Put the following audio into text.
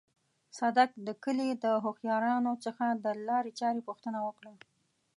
صدک د کلي له هوښيارانو څخه د لارې چارې پوښتنه وکړه.